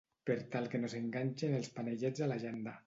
Per tal que no s'enganxen els panellets a la llanda.